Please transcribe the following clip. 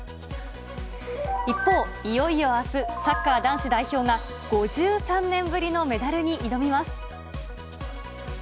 一方、いよいよあす、サッカー男子代表が５３年ぶりのメダルに挑みます。